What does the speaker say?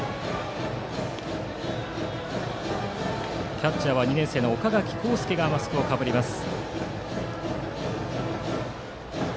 キャッチャーは２年生の岡垣昂佑がマスクをかぶります。